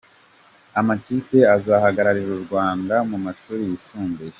Amakipe azahagararira u Rwanda mu mashuri yisumbuye.